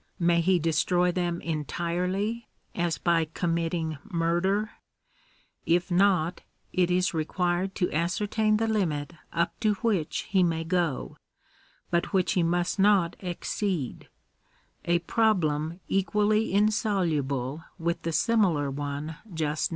may he destroy them entirely, as by committing murder ? If not, it is required to ascertain the limit up to which he may go, but which he must not exceed ; a problem equally insoluble with the similar one just noticed.